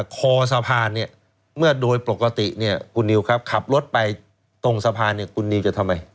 คอสะพานเนี่ยเมื่อโดยปกติเนี่ยคุณนิวครับขับรถไปตรงสะพานเนี่ยคุณนิวจะทำไม